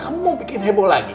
kamu bikin heboh lagi